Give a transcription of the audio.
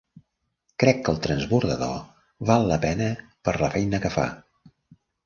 Crec que el transbordador val la pena per la feina que fa.